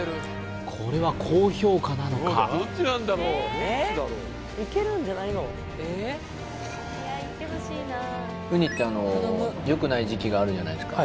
これは高評価なのかうにってよくない時期があるじゃないですか